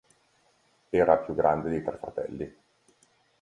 Era il più grande di tre fratelli.